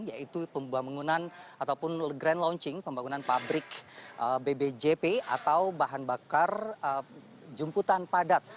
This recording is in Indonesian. yaitu pembangunan ataupun grand launching pembangunan pabrik bbjp atau bahan bakar jemputan padat